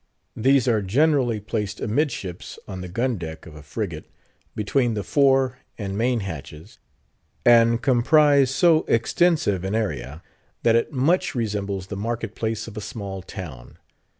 These are generally placed amidships, on the gun deck of a frigate, between the fore and main hatches; and comprise so extensive an area, that it much resembles the market place of a small town.